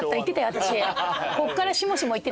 私。